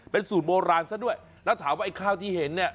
เป็นสูตรโบราณซะด้วยแล้วถามว่าไอ้ข้าวที่เห็นเนี่ย